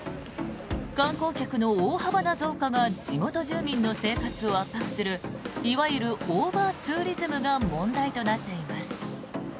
観光客の大幅な増加が地元の住民の生活を圧迫するいわゆるオーバーツーリズムが問題となっています。